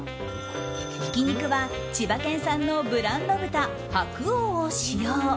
ひき肉は千葉県産のブランド豚白王を使用。